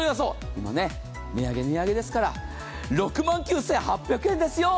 今、値上げ値上げですから６万９８００円ですよ。